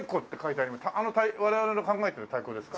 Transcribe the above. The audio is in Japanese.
あの我々の考えてる太鼓ですか？